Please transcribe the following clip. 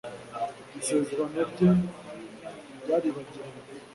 isezerano rye ryaribagiranye